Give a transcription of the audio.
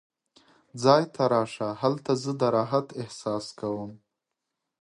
ځای ته راشه، هلته زه د راحت احساس کوم.